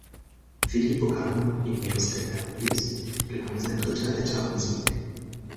Filippo Ganna (Ineos Grenadiers) gelang sein dritter Etappensieg.